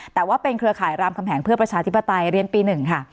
แต่ว่าเป็นเครือข่ายรามคำแหงเพื่อประชาธิปไตยเรียนปี๑ค่ะ